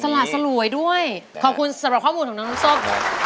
ละสลวยด้วยขอบคุณสำหรับข้อมูลของน้องน้ำส้ม